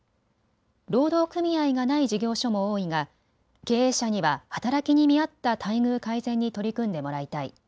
労働組合がない事業所も多いが経営者には働きに見合った待遇改善に取り組んでもらいたい。